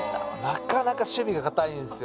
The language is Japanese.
なかなか守備が堅いですよね。